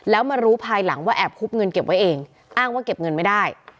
แล้วมารู้ภายหลังว่าแอบคุบเงินเก็บไว้เองอ้างว่าเก็บเงินไม่ได้